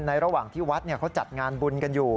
ระหว่างที่วัดเขาจัดงานบุญกันอยู่